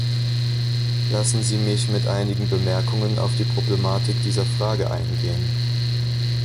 Lassen Sie mich mit einigen Bemerkungen auf die Problematik dieser Frage eingehen.